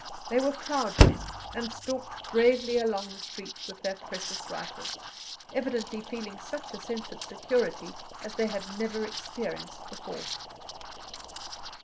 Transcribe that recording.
They were proud men, and stalked gravely along the streets with their precious rifles, evidently feeling such a sense of security as they had never experienced before.